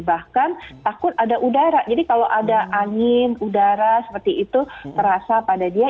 bahkan takut ada udara jadi kalau ada angin udara seperti itu merasa pada dia